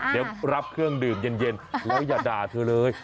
เดี๋ยวรับเครื่องดื่มเย็นแล้วอย่าด่าเธอเลย